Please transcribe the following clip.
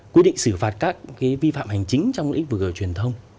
quyết định xử phạt các cái vi phạm hành chính trong lĩnh vực truyền thông